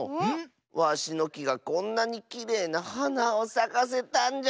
わしのきがこんなにきれいなはなをさかせたんじゃよ！